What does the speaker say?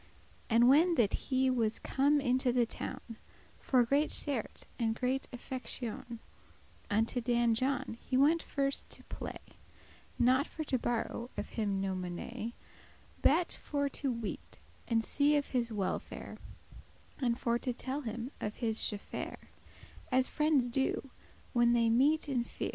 * *took And when that he was come into the town, For great cherte* and great affectioun *love Unto Dan John he wente first to play; Not for to borrow of him no money, Bat for to weet* and see of his welfare, *know And for to telle him of his chaffare, As friendes do, when they be met in fere.